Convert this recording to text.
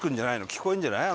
聞こえるんじゃない？